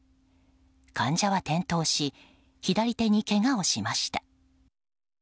患者は転倒し左手にけがをしました。